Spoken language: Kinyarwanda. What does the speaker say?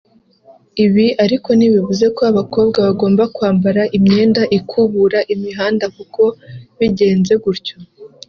Ibi ariko ntibivuze ko abakobwa bagomba kwambara imyenda ikubura imihanda kuko bigenze gutyo